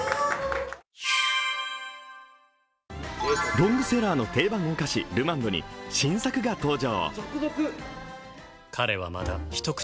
ロングセラーの定番お菓子・ルマンドに新作が登場。